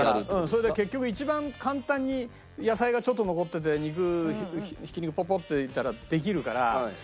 それで結局一番簡単に野菜がちょっと残ってて肉挽き肉ポポッと入れたらできるから。